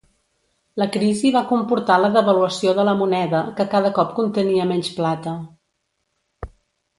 La crisi va comportar la devaluació de la moneda, que cada cop contenia menys plata.